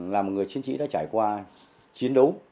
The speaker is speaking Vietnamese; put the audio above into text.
là một người chiến sĩ đã trải qua chiến đấu